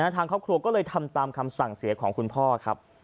ทางครอบครัวก็เลยทำตามคำสั่งเสียของคุณพ่อครับ